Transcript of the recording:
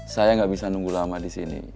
saya enggak bisa nunggu lama disini